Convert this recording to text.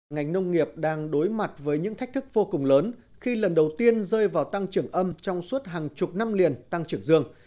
ngành nông nghiệp đang đối mặt với những thách thức vô cùng lớn khi lần đầu tiên rơi vào tăng trưởng âm trong suốt hàng chục năm liền tăng trưởng dương